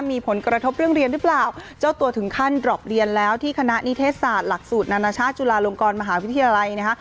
มีผลกระทบเรื่องเรียนหรือเปล่าเจ้าตัวถึงขั้นดรอปเรียนแล้วที่คณะนิเทศศาสตร์หลักสูตรนานาชาติจุฬาลงกรมหาวิทยาลัยนะคะ